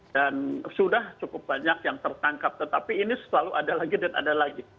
dan sudah cukup banyak yang tertangkap tetapi ini selalu ada lagi dan ada lagi